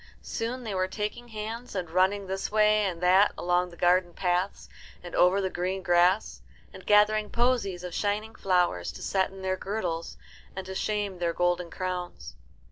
Soon they were taking hands, and running this way and that along the garden paths and over the green grass, and gathering posies of shining flowers to set in their girdles and to shame their golden crowns.